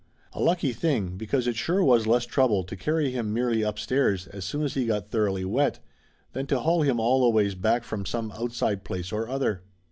A lucky thing, because it sure was less trouble to carry him merely upstairs as soon as he got thor oughly wet, than to haul him all the ways back from some outside place or other.